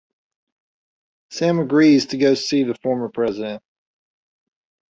Sam agrees to go see the former president.